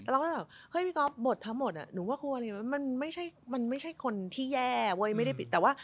แล้วก็แบบเอ้ยพี่ก๊อฟบทท้ำหมดหนูว่าคุณวาลี